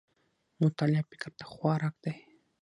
مطالعه فکر ته خوراک دی